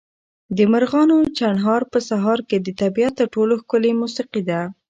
د مرغانو چڼهار په سهار کې د طبیعت تر ټولو ښکلې موسیقي ده.